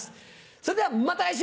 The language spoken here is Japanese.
それではまた来週！